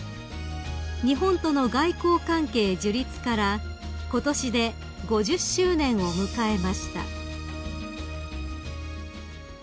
［日本との外交関係樹立からことしで５０周年を迎えました］